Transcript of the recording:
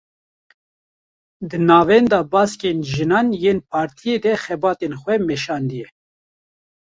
Di navenda baskên jinan yên partiyê de xebatên xwe meşandiye